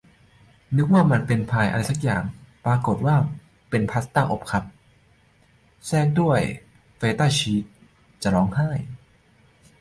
นึกว่ามันเป็นพายอะไรซักอย่าง ปรากฏว่าเป็นพาสต้าอบครับ แทรกด้วยเฟตต้าชีส จะร้องไห้